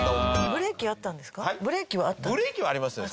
ブレーキはありましたよ。